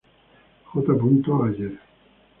J. Ayer.